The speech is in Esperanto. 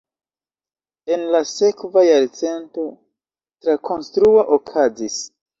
En la sekva jarcento trakonstruo okazis.